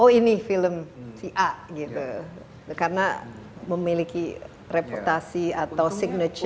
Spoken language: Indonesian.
oh ini film si a gitu karena memiliki reputasi atau signature